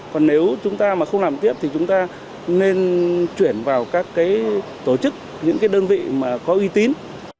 còn nếu chúng ta mà không làm tiếp thì chúng ta nên chuyển vào các tổ chức những cái đơn vị mà có uy tín